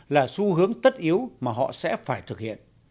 là xu hướng tất yếu mà họ sẽ phải thực hiện